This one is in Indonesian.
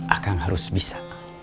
akan harus bisa